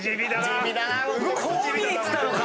こう見えてたのか！